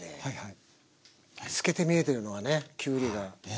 透けて見えてるのがねきゅうりが。